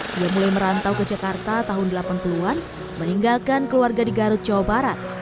dia mulai merantau ke jakarta tahun delapan puluh an meninggalkan keluarga di garut jawa barat